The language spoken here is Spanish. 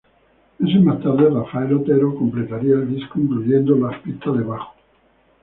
Meses más tarde, Rafael Otero completaría el disco incluyendo las pistas de bajo.